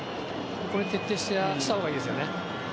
これを徹底したほうがいいですよね。